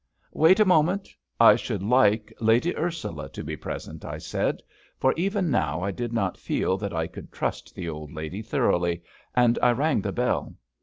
"Wait a minute; I should like Lady Ursula to be present," I said; for even now I did not feel that I could trust the old lady thoroughly, and I rang the bell.